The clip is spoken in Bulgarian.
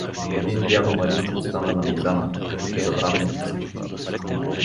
Един дядо Маринко остана на мегдана, като че забравен от всички.